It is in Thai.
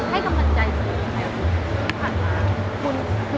ให้กำลังใจสุดยังไง